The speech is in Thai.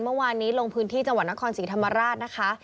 เมื่อวานนี้ลงพื้นที่จังหวัดนครศรีธรรมราชนะคะ